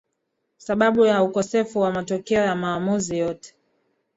sababu ya ukosefu wa matokeo ya maamuzi yote